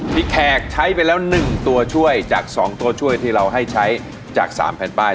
พี่แขกใช้ไปแล้วหนึ่งตัวช่วยจากสองตัวช่วยที่เราให้ใช้จากสามแผ่นป้าย